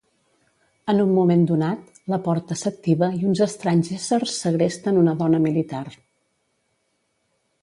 En un moment donat, la porta s'activa i uns estranys éssers segresten una dona militar.